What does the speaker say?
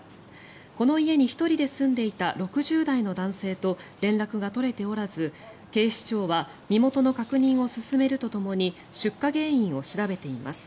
この家に１人で住んでいた６０代の男性と連絡が取れておらず警視庁は身元の確認を進めるとともに出火原因を調べています。